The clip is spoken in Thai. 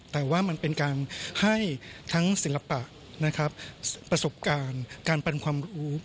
แต่ว่ามันเป็นการให้ทั้งศิลปะนะครับประสบการณ์การปันความรู้